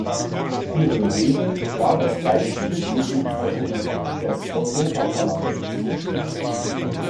Ihre Rede war das geistige Gründungsdokument des Europaparlaments.